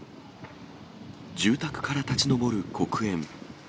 住宅から立ち上る黒煙。